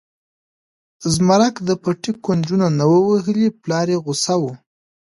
زمرک د پټي کونجونه نه و وهلي پلار یې غوسه و.